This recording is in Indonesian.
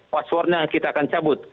passwordnya yang kita akan cabut